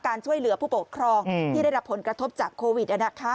การช่วยเหลือผู้ปกครองที่ได้รับผลกระทบจากโควิด